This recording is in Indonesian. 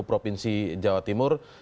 provinsi jawa timur